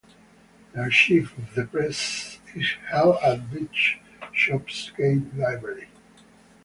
The archive of the Press is held at Bishopsgate Library.